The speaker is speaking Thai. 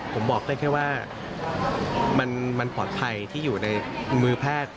ผมบอกได้แค่ว่ามันปลอดภัยที่อยู่ในมือแพทย์